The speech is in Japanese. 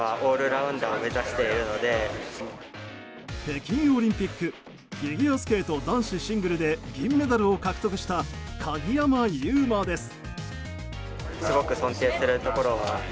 北京オリンピックフィギュアスケート男子シングルで銀メダルを獲得した鍵山優真です。